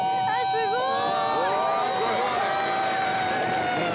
すごい。